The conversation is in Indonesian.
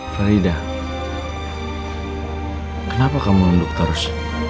farida kenapa kamu hidup terus